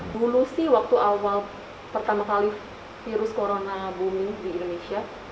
dulu waktu pertama kali virus corona booming di indonesia